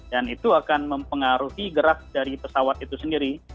dan itu akan mempengaruhi gerak dari pesawat itu sendiri